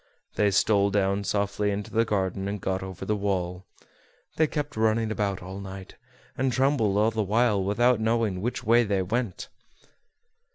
They stole down softly into the garden, and got over the wall. They kept running about all night, and trembled all the while, without knowing which way they went.